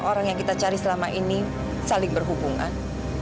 orang yang kita cari selama ini saling berhubungan